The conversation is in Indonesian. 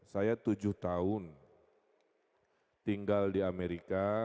saya tujuh tahun tinggal di amerika